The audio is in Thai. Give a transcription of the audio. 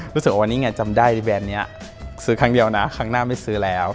รู้สึกว่าวันนี้ไงจำได้แบรนด์นี้ซื้อครั้งเดียวนะครั้งหน้าไม่ซื้อแล้ว